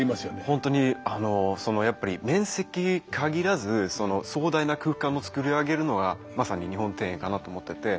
本当にやっぱり面積限らず壮大な空間をつくり上げるのがまさに日本庭園かなと思ってて。